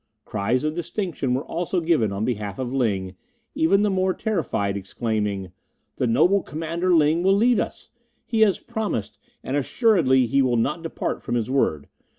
Cries of distinction were also given on behalf of Ling, even the more terrified exclaiming: "The noble Commander Ling will lead us! He has promised, and assuredly he will not depart from his word.